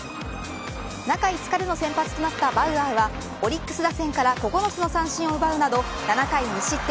中５日での先発となったバウアーはオリックス打線から９つの三振を奪うなど７回２失点。